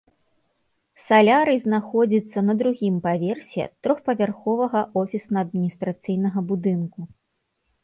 Салярый знаходзіцца на другім паверсе трохпавярховага офісна-адміністрацыйнага будынку.